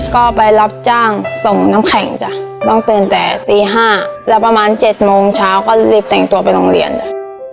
ก็ไปรับจ้างส่งน้ำแข็งจ้ะต้องตื่นแต่ตี๕แล้วประมาณ๗โมงเช้าก็รีบแต่งตัวไปโรงเรียนเลย